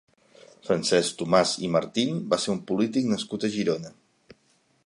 Francesc Tomàs i Martín va ser un polític nascut a Girona.